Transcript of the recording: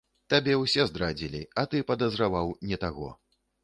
Табе ўсе здрадзілі, а ты падазраваў не таго!